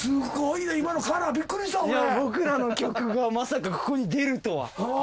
いや僕らの曲がまさかここに出るとは。